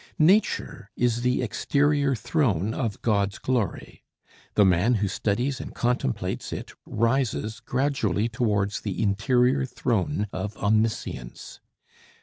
Nature is the exterior throne of God's glory. The man who studies and contemplates it rises gradually towards the interior throne of omniscience.